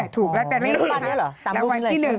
ตามรวมที่๑